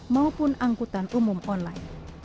maupun angkutan umum online